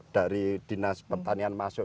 dari dinas pertanian masuk